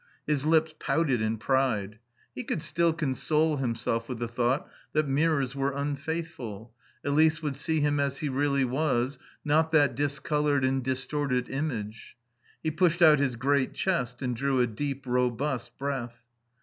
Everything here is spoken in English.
His lips pouted in pride. He could still console himself with the thought that mirrors were unfaithful; Elise would see him as he really was; not that discoloured and distorted image. He pushed out his great chest and drew a deep, robust breath.